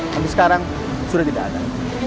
sampai sekarang sudah tidak ada